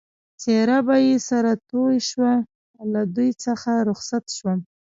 څېره به یې سره توی شوه، له دوی څخه رخصت شوم.